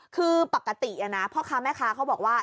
คือปกตินะพ่อค้าแม่ค้าเขาบอกว่า